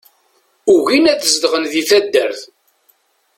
Ugin ad zedɣen di taddart.